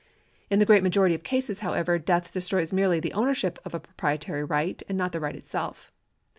In the great majority of cases, however, death destroys merely the ownership of a proprietary right, and not the right itself.